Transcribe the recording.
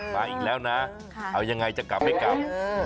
มาอีกแล้วนะเอายังไงจะกลับไม่กลับ